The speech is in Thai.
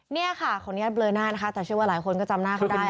นี่ค่ะขออนุญาตเบลอหน้านะคะแต่เชื่อว่าหลายคนก็จำหน้าเขาได้